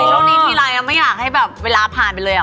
พอสิ่งช่วงนี้ทิลายยังไม่อยากให้แบบเวลาผ่านไปเลยอะ